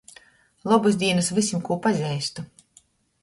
Lobys dīnys vysim, kū pazeistu!